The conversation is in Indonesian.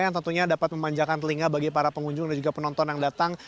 yang tentunya dapat memanjakan telinga bagi para pengunjung dan juga penonton yang datang